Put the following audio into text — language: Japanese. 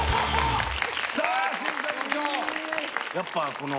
さあ審査委員長。